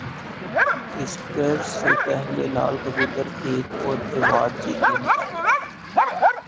Oscar سے پہلے لال کبوتر ایک اور ایوارڈ جیتنے میں کامیاب